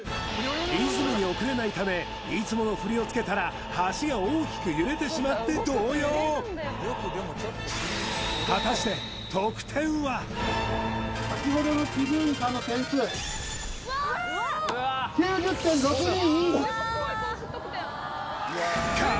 リズムに遅れないためいつものフリをつけたら橋が大きく揺れてしまって動揺先ほどの鬼龍院さんの点数９０．６２２！